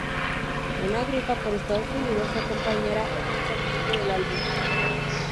Una gira por Estados Unidos acompañará el lanzamiento del álbum.